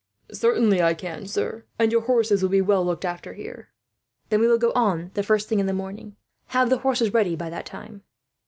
"Certainly I can, sir, and your horses shall be well looked after, here." "Then we will go on, the first thing in the morning. Have the horses ready by that time."